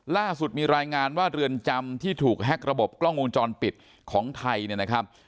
ล่าสุดมีรายงานว่าเรือนจำที่ถูกแฮ็กระบบกล้องวงจรปิดของไทยเนี่ยนะครับ